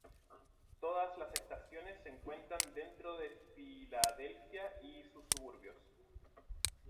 Todas las estaciones se encuentran dentro de Filadelfia y sus suburbios.